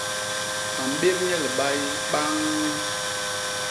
A mbép nye libay baññ!